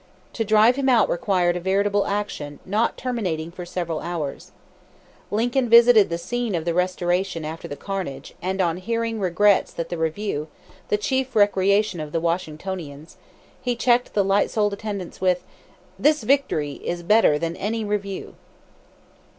To drive him out required a veritable action not terminating for several hours. Lincoln visited the scene of restoration after the carnage, and, on hearing regrets that the review the chief recreation of the Washingtonians he checked the light souled attendants with: "This victory is better than any review."